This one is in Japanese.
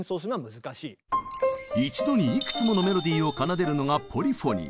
一度にいくつものメロディーを奏でるのが「ポリフォニー」。